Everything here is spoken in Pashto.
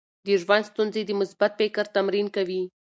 د ژوند ستونزې د مثبت فکر تمرین کوي.